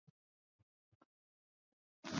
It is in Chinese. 防卫大学校开放予外国学生进修研读。